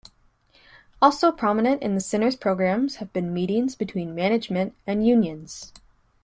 Also prominent in the center's programs have been meetings between management and unions.